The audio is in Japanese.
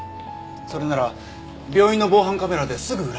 それなら病院の防犯カメラですぐ裏付けられる。